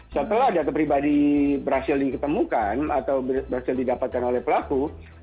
setelah data pribadi berhasil diketemukan atau berhasil didapatkan oleh pelaku